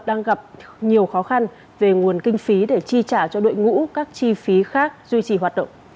đang gặp nhiều khó khăn về nguồn kinh phí để chi trả cho đội ngũ các chi phí khác duy trì hoạt động